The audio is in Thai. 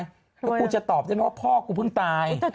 แล้วกูจะตอบได้ไหมว่าพ่อกูเพิ่งตาย